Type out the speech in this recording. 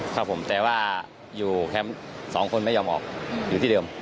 ครับผมแต่ว่าอยู่แคมป์สองคนไม่ยอมออกอยู่ที่เดิม